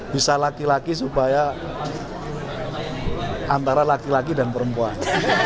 bisa laki laki supaya antara laki laki dan perempuan